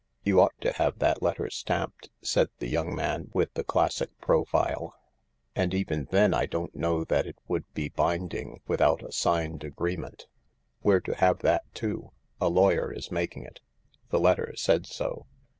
" You ought to have that letter stamped," said the young man with the classic profile. " And even then I don't know that it would be binding without a signed agreement." "We're to have that too. A lawyer is making it. The letter said so."